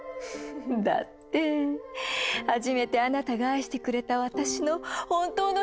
だって初めてあなたが愛してくれた私の本当の姿」。